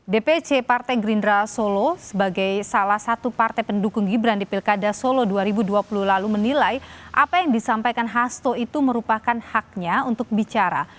dpc partai gerindra solo sebagai salah satu partai pendukung gibran di pilkada solo dua ribu dua puluh lalu menilai apa yang disampaikan hasto itu merupakan haknya untuk bicara